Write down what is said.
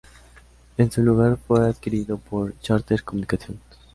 En su lugar, fue adquirido por Charter Communications.